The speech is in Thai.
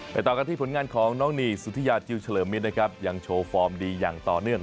ต่อกันที่ผลงานของน้องนีสุธิยาจิลเฉลิมมิตรนะครับยังโชว์ฟอร์มดีอย่างต่อเนื่อง